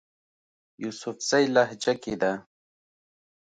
يوسفزئ لهجه کښې ده